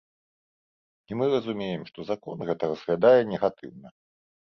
І мы разумеем, што закон гэта разглядае негатыўна.